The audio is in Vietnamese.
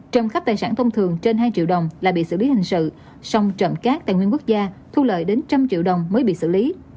trầm khắp tài sản thông thường trên hai triệu đồng là bị xử lý hình sự xong trầm cát tài nguyên quốc gia thu lợi đến một trăm linh triệu đồng mới bị xử lý